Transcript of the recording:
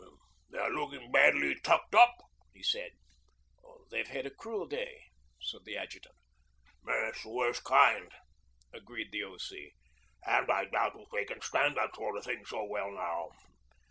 'They're looking badly tucked up,' he said. 'They've had a cruel day,' said the adjutant. 'Yes, the worst kind,' agreed the O.C. 'And I doubt if they can stand that sort of thing so well now.